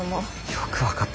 よく分かったね。